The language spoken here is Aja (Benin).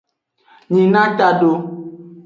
Nyina tado.